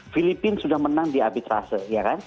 filipina sudah menang di abit rasa